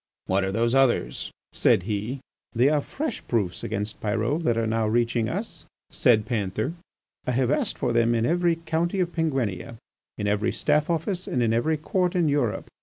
"What are those others?" said he. "They are fresh proofs against Pyrot that are now reaching us," said Panther. "I have asked for them in every county of Penguinia, in every Staff Office and in every Court in Europe.